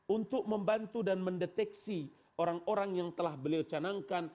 untuk membantu dan mendeteksi orang orang yang telah beliau canangkan